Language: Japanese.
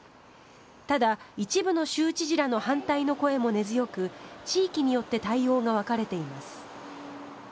ただ、一部の州知事らの反対の声も根強く地域によって対応が分かれています。